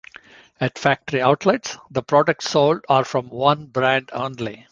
At factory outlets, the products sold are from one brand only.